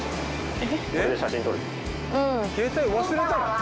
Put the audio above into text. え。